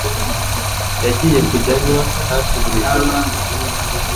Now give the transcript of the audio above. yagiye kujya anywa hafi buri joro.